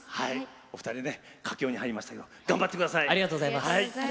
お二人佳境に入りましたけど頑張ってください。